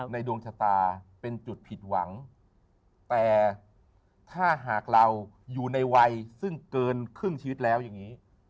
ดวงชะตาเป็นจุดผิดหวังแต่ถ้าหากเราอยู่ในวัยซึ่งเกินครึ่งชีวิตแล้วอย่างนี้